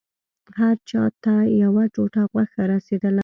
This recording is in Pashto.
هر چا ته يوه ټوټه غوښه رسېدله.